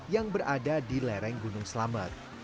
yang berada di lereng gunung selamet